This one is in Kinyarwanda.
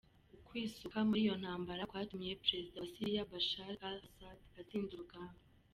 Ukwisuka muri iyo ntambara kwatumye prezida wa Syria Bashar al-Assad atsinda urugamba.